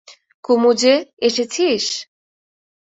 কুমু যে, এসেছিস?